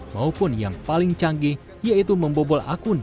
maupun yang paling canggih yaitu membobol akun